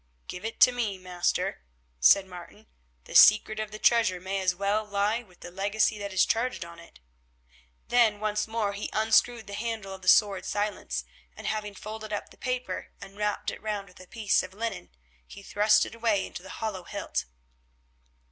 "Give it to me, master," said Martin; "the secret of the treasure may as well lie with the legacy that is charged on it." Then once more he unscrewed the handle of the sword Silence, and having folded up the paper and wrapped it round with a piece of linen, he thrust it away into the hollow hilt.